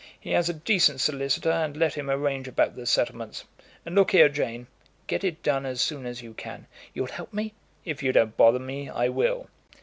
He has a decent solicitor, and let him arrange about the settlements. And look here, Jane; get it done as soon as you can." "You'll help me?" "If you don't bother me, I will."